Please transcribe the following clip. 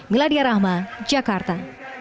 miladia rahma jakarta